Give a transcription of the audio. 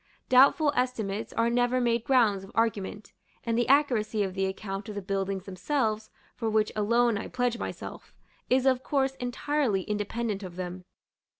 Doubtful estimates are never made grounds of argument; and the accuracy of the account of the buildings themselves, for which alone I pledge myself, is of course entirely independent of them.